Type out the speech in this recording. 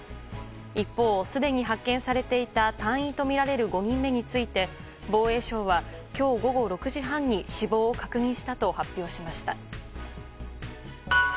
一方、すでに発見されていた隊員とみられる５人目について防衛省は今日午後６時半に死亡を確認したと発表しました。